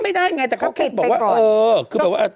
มันเหมือนอ่ะ